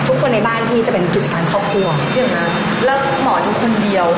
มือใจมันจะเปิดแล้ว